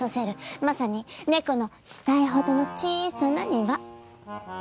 まさに猫の額ほどの小さな庭。